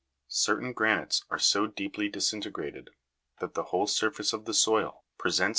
Certain granites are so deeply disintegrated, that the whole surface of the soil presents a 2.